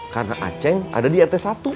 karena aceng ada di rt satu